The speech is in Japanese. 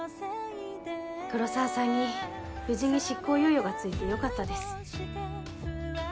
黒澤さんに無事に執行猶予がついて良かったです。